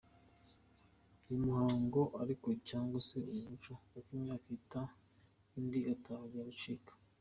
Uyu muhango ariko cyangwa se uyu muco, uko imyaka ihita indi igataha ugenda ucika.